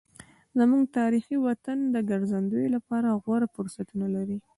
زموږ تاریخي وطن د ګرځندوی لپاره غوره فرصتونه لري.